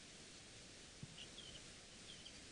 沙尔穆瓦尔。